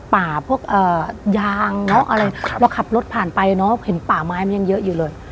ป่าพวกยางเนอะอะไรเราขับรถผ่านไปเนอะเห็นป่าไม้มันยังเยอะอยู่เลย